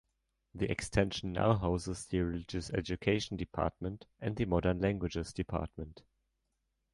The extension now houses the Religious Education department and the Modern Languages department.